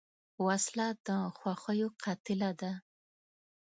وسله د خوښیو قاتله ده